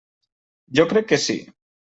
Jo crec que sí.